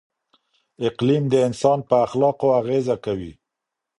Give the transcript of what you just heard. اقلیم د انسان په اخلاقو اغېزه کوي.